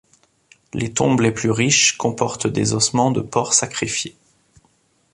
Les tombes les plus riches comportent des ossements de porcs sacrifiés.